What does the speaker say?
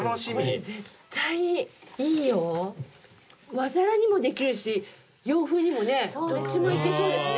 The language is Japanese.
和皿にもできるし洋風にもねどっちもいけそうですね。